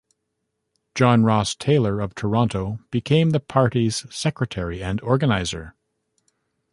John Ross Taylor of Toronto became the party's secretary and organizer.